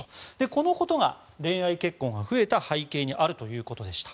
このことが恋愛結婚が増えた背景にあるということでした。